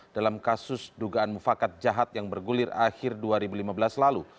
dalam kasus dugaan mufakat jahat yang bergulir akhir dua ribu lima belas lalu